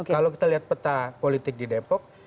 kalau kita lihat peta politik di depok